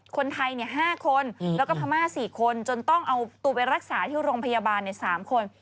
คนไทย๕คนแล้วก็พม่า๔คนจนต้องเอาตัวไปรักษาที่โรงพยาบาลใน๓คน